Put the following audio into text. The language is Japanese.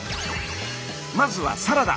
まずはサラダ。